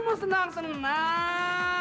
katanya mau senang senang